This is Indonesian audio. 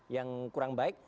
yang kurang baik